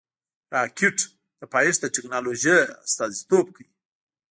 راکټ د پایښت د ټېکنالوژۍ استازیتوب کوي